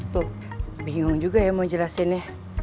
tuh bingung juga ya mau jelasinnya